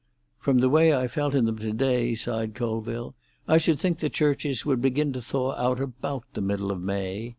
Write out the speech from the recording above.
"From the way I felt in them to day," sighed Colville, "I should think the churches would begin to thaw out about the middle of May.